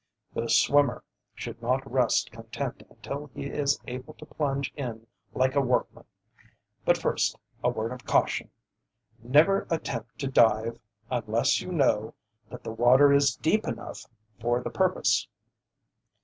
The swimmer should not rest content until he is able to plunge in like a workman; but first, a word of caution! Never attempt to dive unless you know that the water is deep enough for the purpose.